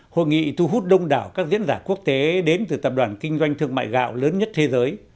hội nghị thu hút đông đảo các diễn giả quốc tế đến từ tập đoàn kinh doanh thương mại gạo lớn nhất thế giới